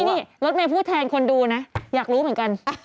นี่รถเมย์พูดแทนคนดูนะอยากรู้เหมือนกัน